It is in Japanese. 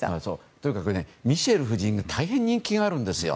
とにかくミシェル夫人が大変人気があるんですよ。